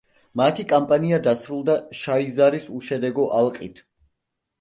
მათი კამპანია დასრულდა შაიზარის უშედეგო ალყით.